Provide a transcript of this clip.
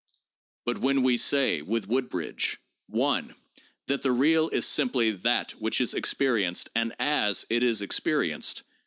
But when we say, with Wood bridge, (1) that 'the real is simply that which is experienced and as it is experienced' (p.